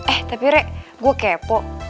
eh tapi rek gue kepo